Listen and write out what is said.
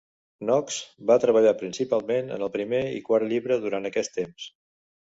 Knox va treballar principalment en el primer i quart llibre durant aquest temps.